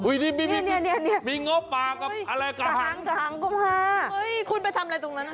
มีงอปป่ากระหางก็มาคุณไปทำอะไรตรงนั้น